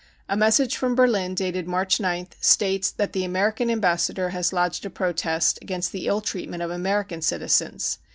A message from Berlin dated March 9th states that the American Ambassador has lodged a protest against the ill treatment of American citizens.